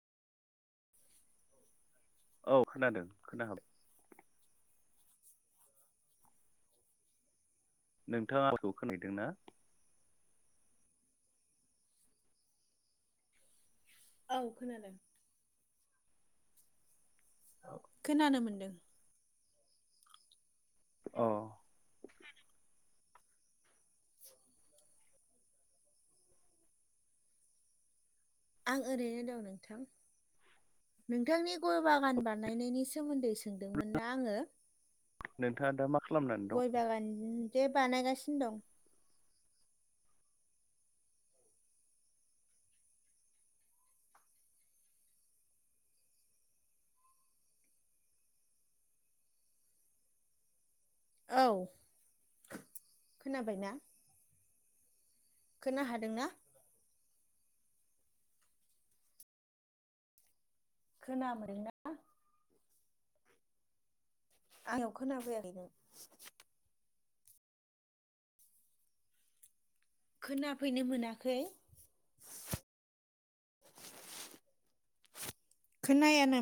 औ खोनादों खोना हाबाय नोंथाङा आंखौ खोनायदोंना। औ खोनादों खोनानो मोनदों। अ खोनादों आं ओरैनो दं नोंथां नोंथांनि गय बागान बानायनायनि सोमोन्दै सों सोंदोंमोन ना आङो नोंथाङा दा मा खालामनानै दं? गय बागान जे बानायगासिनो दं। औ खोनाबाय ना खोना हादोंना खोनाबाय ना आंनियाव खोना फैयाखै नो खोनाफैनो मोनाखै खोनायानो